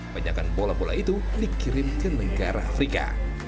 banyakkan bola bola itu dikirim ke negara afrika